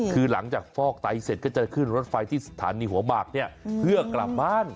คือหลังจากฟอกไตเสร็จก็จะขึ้นรถไฟที่สถานีหัวหมากเนี่ยเพื่อกลับบ้าน